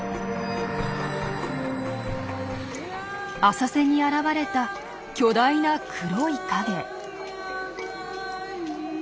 浅瀬に現れた巨大な黒い影。